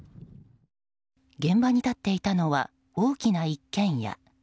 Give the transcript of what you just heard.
現場に立っていたのは大きな一軒家。